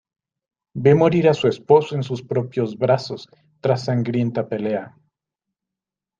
Ve morir a su esposo en sus propios brazos tras sangrienta pelea.